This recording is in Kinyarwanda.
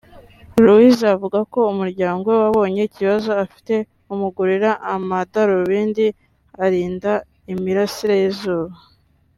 Loise avuga ko umuryango we wabonye ikibazo afite umugurira amadarubindi arinda imirasire y’izuba